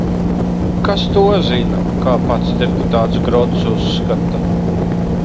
Kas to zina, kā pats deputāts Grots uzskata.